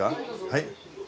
はい。